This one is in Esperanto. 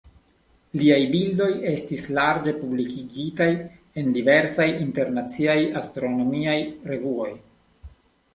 Liaj bildoj estis larĝe publikigitaj en diversaj internaciaj astronomiaj revuoj.